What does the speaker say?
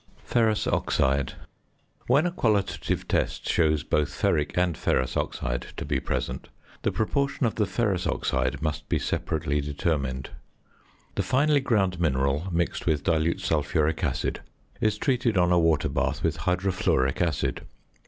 ~Ferrous Oxide.~ When a qualitative test shows both ferric and ferrous oxide to be present, the proportion of the ferrous oxide must be separately determined. The finely ground mineral mixed with dilute sulphuric acid is treated on a water bath with hydrofluoric acid.